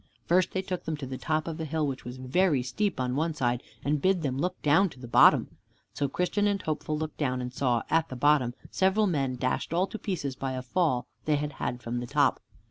First they took them to the top of a hill which was very steep on one side, and bid them look down to the bottom. So Christian and Hopeful looked down, and saw at the bottom several men dashed all to pieces by a fall that they had had from the top.